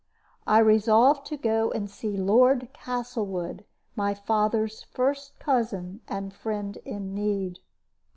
I resolved to go and see Lord Castlewood, my father's first cousin and friend in need.